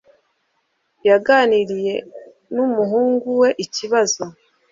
Yaganiriye n'umuhungu we ikibazo